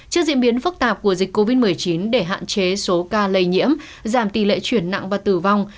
trước diễn biến phức tạp của dịch covid một mươi chín để hạn chế số ca lây nhiễm giảm tỷ lệ chuyển nặng và tử vong